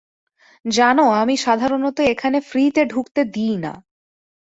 জানো, আমি সাধারণত এখানে ফ্রিতে ঢুকতে দিই না।